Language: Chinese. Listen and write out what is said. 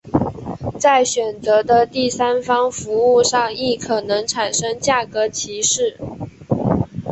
在选择的第三方服务上亦可能产生价格歧视。